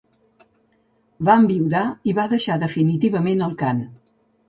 Va enviudar i va deixar definitivament el cant.